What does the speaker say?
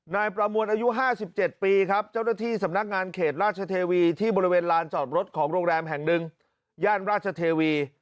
นายประมวลอายุ๕๗ปีครับเจ้าหน้าที่สำนักงานเขตราชเทวีที่บริเวณลานจอดรถของโรงแรมแห่งหนึ่งย่านราชเทวี